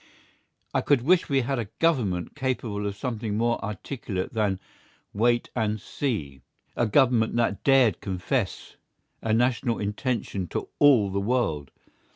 I could wish we had a Government capable of something more articulate than "Wait and see!" a Government that dared confess a national intention to all the world.